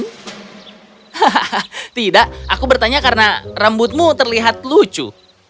hahaha tidak aku bertanya karena rambutmu terlihat lucu